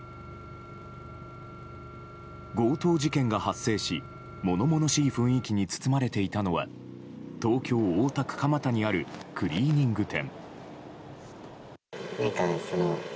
強盗事件が発生し物々しい雰囲気に包まれていたのは東京・大田区蒲田にあるクリーニング店。